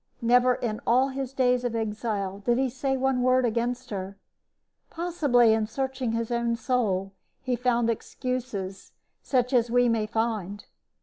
Never in all his days of exile did he say one word against her. Possibly in searching his own soul he found excuses such as we may find.